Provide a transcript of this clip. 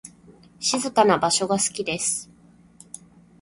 静かな場所が好きです。